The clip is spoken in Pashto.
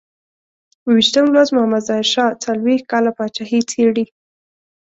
اوو ویشتم لوست محمد ظاهر شاه څلویښت کاله پاچاهي څېړي.